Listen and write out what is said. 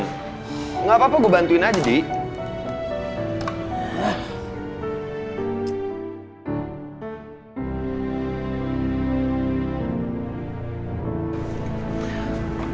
gak apa apa gue bantuin aja didi